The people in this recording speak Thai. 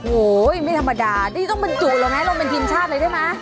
โอ้ยไม่ธรรมดานี่ต้องเป็นจุดหรอไงเราเป็นทีมชาติเลยได้มั้ย